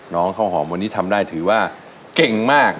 น้องข้าวหอมวันนี้ทำได้ถือว่าเก่งมาก